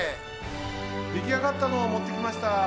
できあがったのをもってきました。